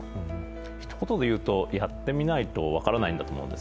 ひと言で言うとやってみないと分からないんだと思います。